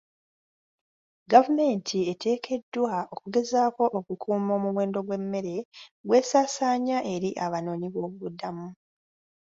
Gavumenti eteekeddwa okugezaako okukuuma omuwendo gw'emmere gw'esaasaanya eri abanoonyi b'obubuddamu.